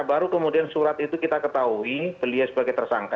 baru kemudian surat itu kita ketahui beliau sebagai tersangka